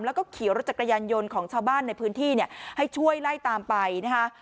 แล้วก็ขี่รถจักรยานยนต์ของชาวบ้านในพื้นที่เนี่ยให้ช่วยไล่ตามไปนะคะ